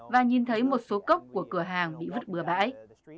và nhìn thấy một số cốc của cửa hàng bị vứt bừa bãi